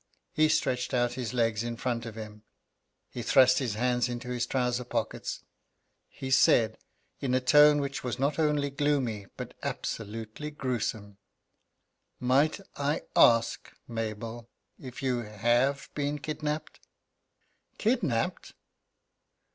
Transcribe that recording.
He stretched out his legs in front of him; he thrust his hands into his trousers pockets; he said, in a tone which was not only gloomy but absolutely gruesome: "Might I ask, Mabel, if you have been kidnapped?" "Kidnapped?"